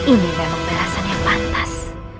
ini memang belasan yang pantas